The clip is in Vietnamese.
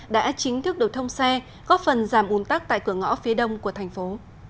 đã chính thức được thông xe góp phần giảm un tắc tại cửa ngõ phía đông của thành phố